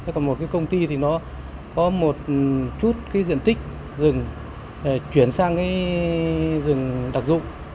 còn một cái công ty thì nó có một chút cái diện tích rừng chuyển sang cái rừng đặc dụng